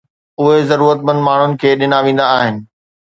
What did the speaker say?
اهي ضرورتمند ماڻهن کي ڏنا ويندا آهن